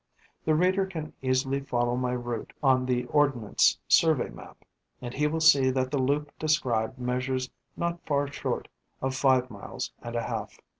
The reader can easily follow my route on the ordnance survey map; and he will see that the loop described measures not far short of five miles and a half.